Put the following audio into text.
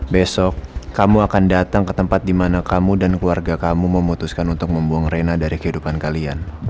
besok kamu akan datang ke tempat di mana kamu dan keluarga kamu memutuskan untuk membuang rena dari kehidupan kalian